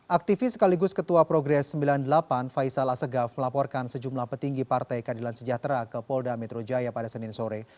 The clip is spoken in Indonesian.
aktivis sekaligus ketua progres sembilan puluh delapan faisal asegaf melaporkan sejumlah petinggi partai keadilan sejahtera ke polda metro jaya pada senin sore